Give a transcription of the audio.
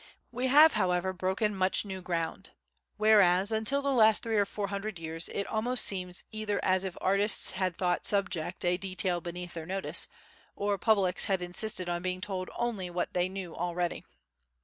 We have, however, broken much new ground, whereas until the last three or four hundred years it almost seems either as if artists had thought subject a detail beneath their notice, or publics had insisted on being told only what they knew already.